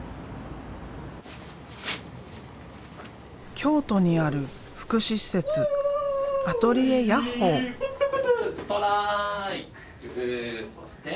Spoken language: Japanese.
京都にある福祉施設「アトリエやっほぅ！！」。